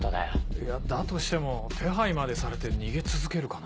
いやだとしても手配までされて逃げ続けるかな？